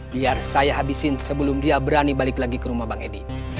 biar saya habisin sebelum dia berani balik lagi ke rumah bang edi